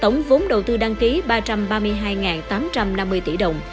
tổng vốn đầu tư đăng ký ba trăm ba mươi hai tám trăm năm mươi tỷ đồng